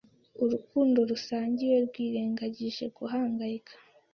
Urukundo rusangiwe rwirengagije guhangayika